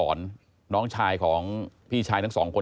น้องชายของพี่ชายทั้งสองคน